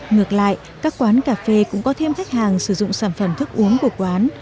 ngược lại các quán cà phê cũng có thêm khách hàng sử dụng sản phẩm thức uống của quán